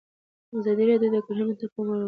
ازادي راډیو د کرهنه ته پام اړولی.